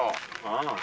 ああ。